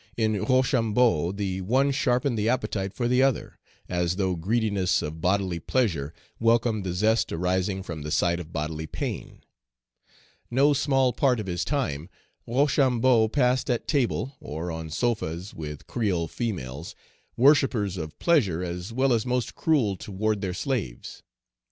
In Rochambeau the one sharpened the appetite for the other, as though greediness of bodily pleasure welcomed the zest arising from the sight of bodily pain. No small part of his time Rochambeau passed at table, or on sofas with creole females, worshippers of pleasure as well as most cruel toward their slaves.